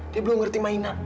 dia belum ngerti mainan